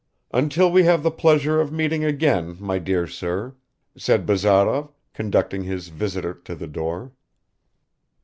"Until we have the pleasure of meeting again, my dear sir," said Bazarov, conducting his visitor to the door.